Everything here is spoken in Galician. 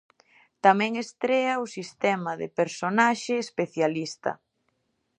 Tamén estrea o sistema de personaxe especialista.